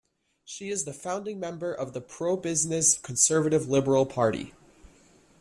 She is the founding member of the pro-business conservative Liberal Party.